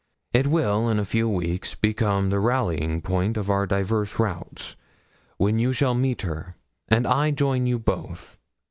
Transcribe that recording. It will in a few weeks become the rallying point of our diverse routes, when you shall meet her, and I join you both.